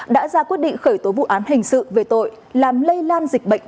đã ra quyết định khởi tố vụ án hình sự về tội làm lây lan dịch bệnh